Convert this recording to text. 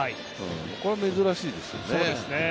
これは珍しいですよね。